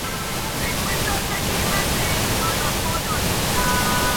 Lee llega a la isla de Han y recibe una cálida bienvenida.